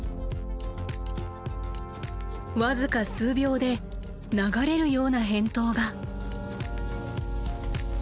僅か数秒で流れるような返答が。